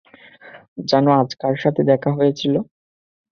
জানো, আজ কার সাথে দেখা হয়েছিল?